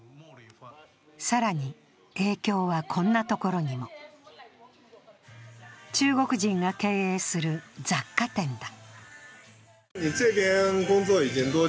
更に影響はこんなところにも中国人が経営する雑貨店だ。